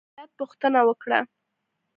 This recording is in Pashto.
علت پوښتنه وکړه.